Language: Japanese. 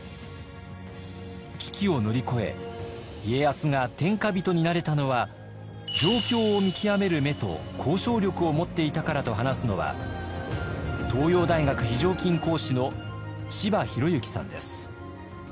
危機を乗り越え家康が天下人になれたのは状況を見極める目と交渉力を持っていたからと話すのは東洋大学非常勤講師の柴裕之さんです。